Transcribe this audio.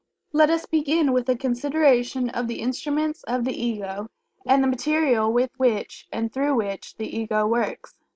Let us begin with a consideration of the instruments of the Ego, and the material with which and through which the Ego works.